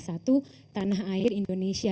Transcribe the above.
satu tanah air indonesia